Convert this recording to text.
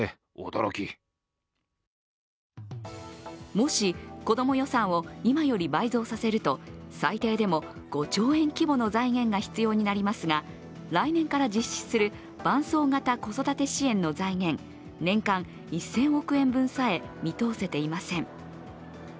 もし子供予算を今より倍増させると、最低でも５兆円規模の財源が必要になりますが来年から実施する伴走型子育て支援の財源、年間１０００億円分さえ見通せていません。